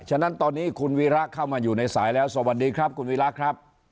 ฉะนั้นตอนนี้คุณวีระเข้ามาอยู่ในสายแล้วสวัสดีครับคุณวีระครับ